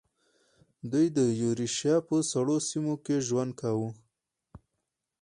دوی د یوریشیا په سړو سیمو کې ژوند کاوه.